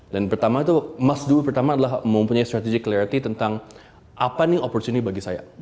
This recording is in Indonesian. dan pertama itu must do pertama adalah mempunyai strategic clarity tentang apa nih opportunity bagi saya